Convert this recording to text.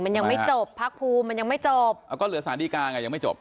มันยังไม่จบภาคภูมิมันยังไม่จบก็เหลือสารดีกาไงยังไม่จบ